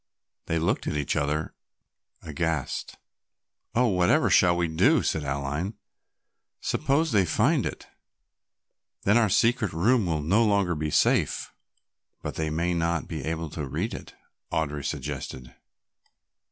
They looked at each other aghast. "Oh, whatever shall we do?" said Aline. "Suppose that they find it, then our secret room will be no longer safe." "But they may not be able to read it," Audry suggested.